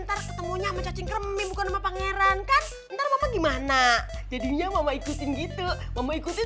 terketemunya cacing kremi bukan pangeran kan ntar gimana jadinya mama ikutin gitu mama ikuti